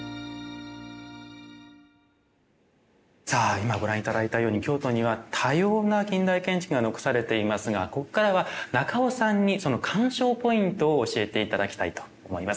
今ご覧頂いたように京都には多様な近代建築が残されていますがここからは中尾さんにその鑑賞ポイントを教えて頂きたいと思います。